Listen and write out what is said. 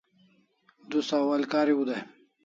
Du sawal kariu dai